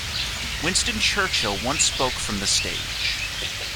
Winston Churchill once spoke from the stage.